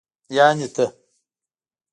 يعنې ته.